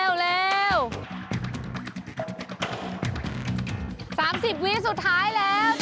๓๐วิสุดท้ายแล้ว